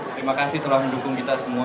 terima kasih telah mendukung kita semua